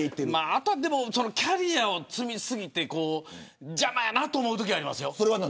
あとはキャリアを積み過ぎて邪魔やなと思うときありますよ。